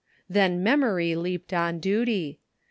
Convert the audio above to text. Then memory leaped on duty.